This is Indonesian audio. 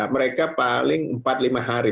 mereka paling empat lima hari